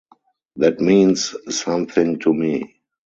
That means something to me.